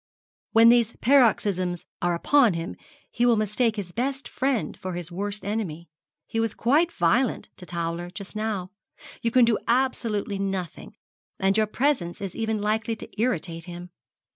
'When these paroxysms are upon him he will mistake his best friend for his worst enemy he was quite violent to Towler just now. You can do absolutely nothing, and your presence is even likely to irritate him.